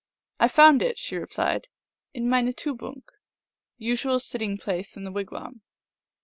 I found it," she re plied, " in my ntuboonk " (usual sitting place in the wigwam).